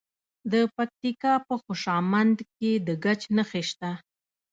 د پکتیکا په خوشامند کې د ګچ نښې شته.